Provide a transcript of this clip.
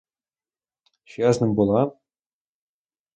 Щоб я за ним була?